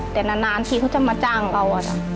แต่นานทีเขาจะมาจ้างเรา